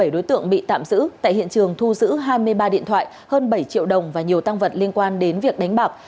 bảy đối tượng bị tạm giữ tại hiện trường thu giữ hai mươi ba điện thoại hơn bảy triệu đồng và nhiều tăng vật liên quan đến việc đánh bạc